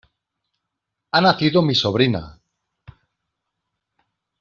Ha nacido mi sobrina.